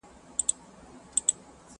o مرگ په ماړه نس خوند کوي!